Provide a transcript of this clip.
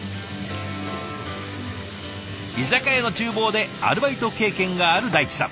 居酒屋の厨房でアルバイト経験がある大地さん。